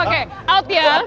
oke out ya